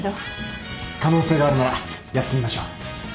可能性があるならやってみましょう。